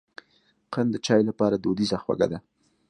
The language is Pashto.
قند د چای لپاره دودیزه خوږه ده.